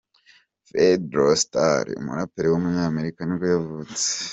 Fredro Starr, umuraperi w’umunyamerika nibwo yavutse.